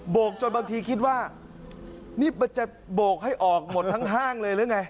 กจนบางทีคิดว่านี่มันจะโบกให้ออกหมดทั้งห้างเลยหรือไง